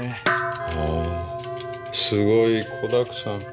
はあすごい子だくさん。